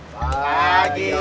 selamat pagi om